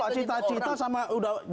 cita cita sama udah